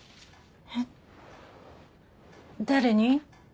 えっ誰に？